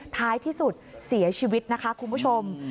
ท้ายที่สุดเสียชีวิตนะคะคุณผู้ชม